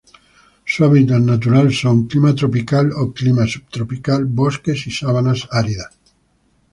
Su hábitat natural son: Clima tropical o Clima subtropical, bosques y sabanas áridas.